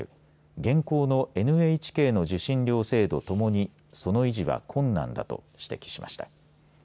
現行のＮＨＫの受信料制度ともにその維持は困難だと指摘しました。